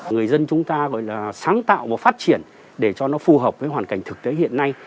người dân chúng ta gọi là sáng tạo và phát triển để cho nó phù hợp với hoàn cảnh thực tế hiện nay